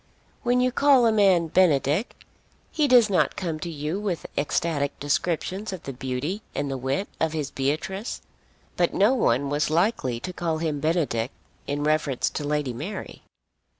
When you call a man Benedick he does not come to you with ecstatic descriptions of the beauty and the wit of his Beatrice. But no one was likely to call him Benedick in reference to Lady Mary.